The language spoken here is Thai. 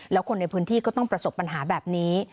แล้วคนในพื้นที่ก็ต้องประสบปัญหาแบบนี้